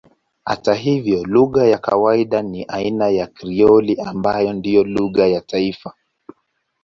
Hata hivyo lugha ya kawaida ni aina ya Krioli ambayo ndiyo lugha ya taifa.